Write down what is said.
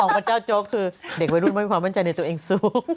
ว่าเจ้าโจ๊กคือเด็กวัยรุ่นไม่มีความมั่นใจในตัวเองสู้